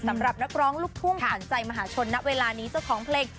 สำหรับนักร้องลูกทุ่งขวัญใจมหาชนณเวลานี้เจ้าของเพลง